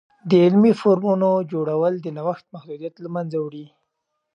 د علمي فورمونو جوړول، د نوښت محدودیت له منځه وړي.